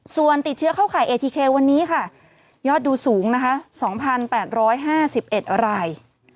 ส่วนติดเชื้อเข้าข่ายเอทีเคลวันนี้ค่ะยอดดูสูงนะคะสองพันแปดร้อยห้าสิบเอ็ดราย